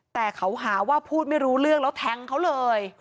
แต่เขาหาว่าพูดไม่รู้เรื่องแล้วแทงเขาเลย